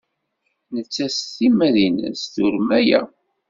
Nettat s timmad-nnes turem aya.